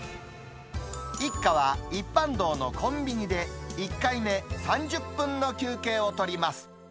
一家は一般道のコンビニで１回目、３０分の休憩をとります。